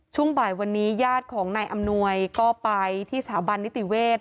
ช่วงบ่ายวันนี้ญาติของนายอำนวยก็ไปที่สถาบันนิติเวศ